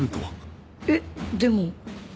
えっ？でも